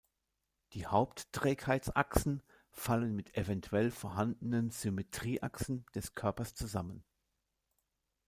Die Hauptträgheitsachsen fallen mit eventuell vorhandenen Symmetrieachsen des Körpers zusammen.